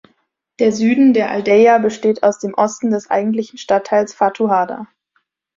Der Süden der Aldeia besteht aus dem Osten des eigentlichen Stadtteils Fatuhada.